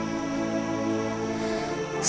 kita bisa menjaga keamanan kita